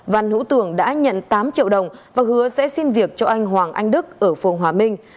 văn hữu tường đã nhận tám triệu đồng và hứa sẽ xin việc cho anh hoàng anh đức ở phương hòa minh